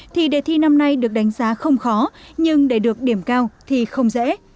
thì đề thi năm nay được đánh giá không khó nhưng để được điểm cao thì không dễ